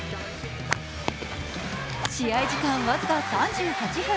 試合時間僅か３８分